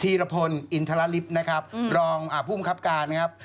ธีรพลอินทรลาลิฟต์รองผู้บุคคับการ